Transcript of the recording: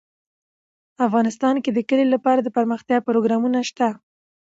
افغانستان کې د کلي لپاره دپرمختیا پروګرامونه شته.